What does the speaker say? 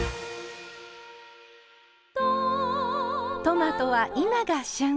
トマトは今が旬。